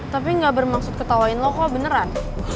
tapi gak bermaksud ketawain lo kok beneran